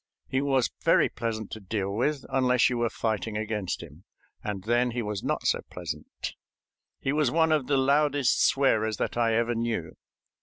He was very pleasant to deal with, unless you were fighting against him, and then he was not so pleasant. He was one of the loudest swearers that I ever knew.